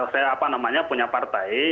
saya apa namanya punya partai